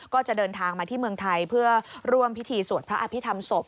ก็จะเดินทางมาที่เมืองไทยเพื่อร่วมพิธีสวดพระอภิษฐรรมศพ